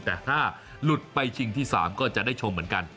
แต่ถ้าหลุดไปชิงที่๓ก็จะได้ชมเหมือนกัน